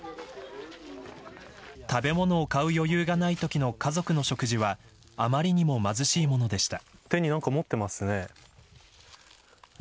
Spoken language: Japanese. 食べ物を買う余裕がないときの家族の食事はあまりにも貧しいものでした。